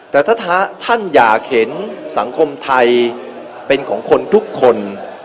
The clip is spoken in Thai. แต่ถ้าท่านอยากเห็นสังคมไทยเป็นของคนทุกคน